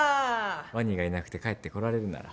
ワニがいなくて帰ってこられるなら。